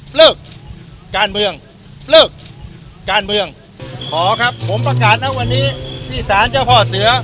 เลิกการเมืองเลิกการเมืองขอครับผมประกาศนะวันนี้ที่สารเจ้าพ่อเสือ